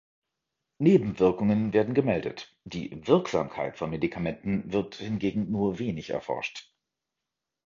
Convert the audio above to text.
Nebenwirkungen werden gemeldet, die Wirksamkeit von Medikamenten wird hingegen nur wenig erforscht.